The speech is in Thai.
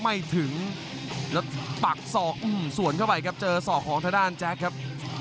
ไม่ถึงแล้วปักศอกส่วนเข้าไปครับเจอศอกของทางด้านแจ๊คครับ